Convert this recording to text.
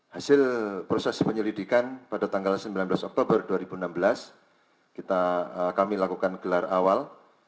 hasil proses penyelidikan pada tanggal sembilan belas oktober dua ribu enam belas kami lakukan gelar awal